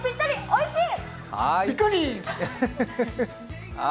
おいしい。